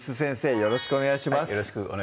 よろしくお願いします